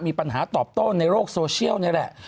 มีปัญหาตอบโต้ในโลกโซเชียลนี่แหละ